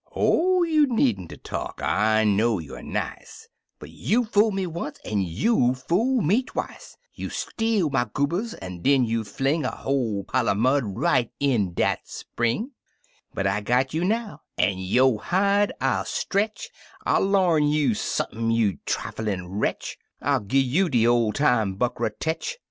Oh, you nee'n ter talk : 1 know you er nice: But you fooled me once an' you fooled me twicel You steal my goobas, an' den you fling A whole pile er mud right in dat spring I " But I got you now, an' yo' hide I'll stretch— I'll I'arn you sump'n, you triflin' wretch 1 rilgi' you de ol' time Buckra tetch!